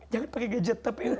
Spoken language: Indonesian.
jangan pakai gadget tapi